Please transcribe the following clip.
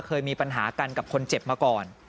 เคยมีปัญหากันกับคนเจ็บมาก่อน